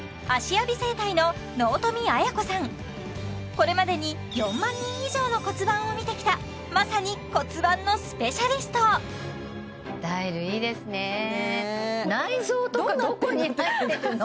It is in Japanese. これまでに４万人以上の骨盤を見てきたまさに骨盤のスペシャリスト内臓とかどこに入ってるの？